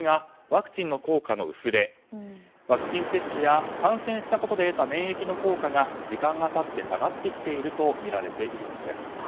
ワクチン接種や感染したことで得た免疫の効果が時間が経って下がってきているとみられているんです。